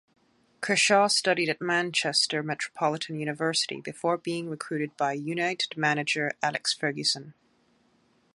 Kershaw studied at Manchester Metropolitan University before being recruited by United manager Alex Ferguson.